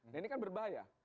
nah ini kan berbahaya